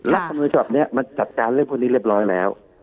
และคุณวิชาบนี้มันจัดการเรียบร้อยแล้ว